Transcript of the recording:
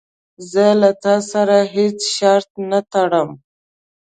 زه له تا سره هیڅ شرط نه ټړم.